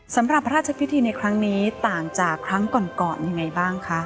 สำหรับพระราชพิธีในครั้งนี้ต่างจากครั้งก่อนยังไงบ้างคะ